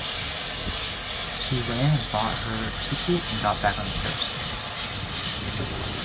She ran and bought her ticket and got back on the carrousel.